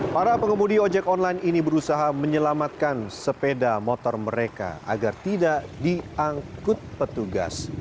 para pengemudi ojek online ini berusaha menyelamatkan sepeda motor mereka agar tidak diangkut petugas